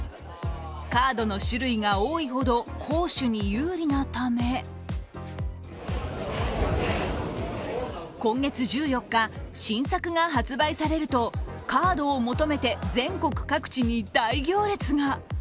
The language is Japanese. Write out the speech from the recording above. カードの種類が多いほど攻守に有利なため今月１４日、新作が発売されるとカードを求めて全国各地に大行列が。